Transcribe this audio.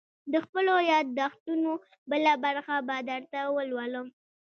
_د خپلو ياد دښتونو بله برخه به درته ولولم.